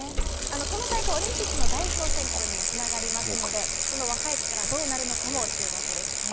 この大会、オリンピックの代表選考にもつながりますので、その若い力、どうなるのかも注目ですね。